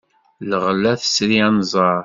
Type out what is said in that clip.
Lɣella tesri anẓar.